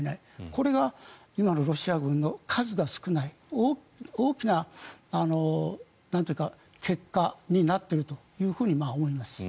これが今のロシア軍の数が少ない大きな結果になっていると思います。